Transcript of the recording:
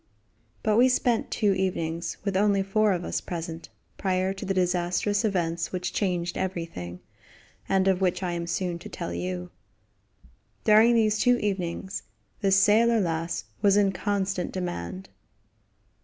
But we spent two evenings, with only four of us present, prior to the disastrous events which changed everything, and of which I am soon to tell you. During these two evenings the "Sailor Lass" was in constant demand.